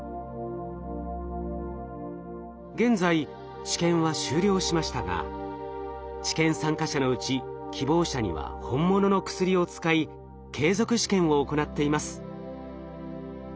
現在治験は終了しましたが治験参加者のうち希望者には本物の薬を使い継続試験を行っています。